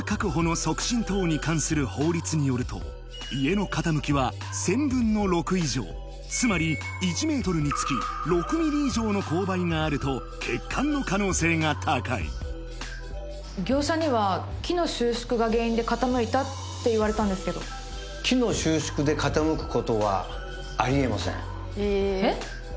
家の傾きは１０００分の６以上つまり１ｍにつき６ｍｍ以上の勾配があると欠陥の可能性が高い業者には木の収縮が原因で傾いたって言われたんですけど木の収縮で傾くことはありえませんえっ？